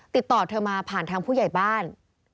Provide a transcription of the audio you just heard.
ติดต่อเธอมาผ่านทางผู้ใหญ่บ้าน